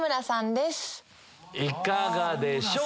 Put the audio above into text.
いかがでしょう？